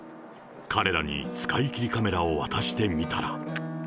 彼らに使いきりカメラを渡してみたら。